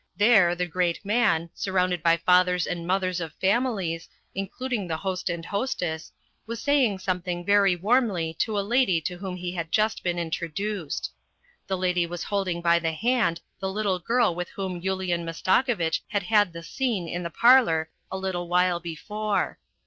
There the great man, surrounded by fathers and mothers of families, including the host and hoste s, \\us saying sometliiiig very warmly to a lady to whom he had just been introduced. The lady was holding by the hand the little girl with whom Yulian Mastakovitch had had the scene in the parlour a little while before.